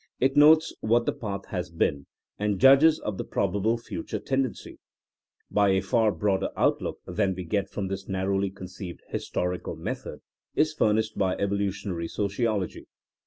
It notes what the path has been, and judges of the probable future tendency. But a far broader outlook than we get from this narrowly con ceived historicaP* method is furnished by evo lutionary sociology.